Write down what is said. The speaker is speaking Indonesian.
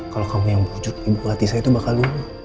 kamu aja yang bujuk ibu hati saya itu bakal luhur